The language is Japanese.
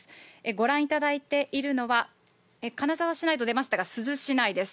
ご覧いただいているのは、金沢市内と出ましたが、珠洲市内です。